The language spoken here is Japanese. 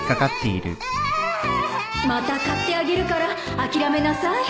また買ってあげるから諦めなさい